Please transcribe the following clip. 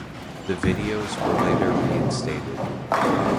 The videos were later reinstated.